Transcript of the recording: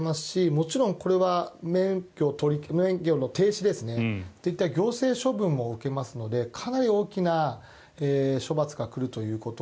もちろんこれは免許の停止といった行政処分も受けますのでかなり大きな処罰が来るということ。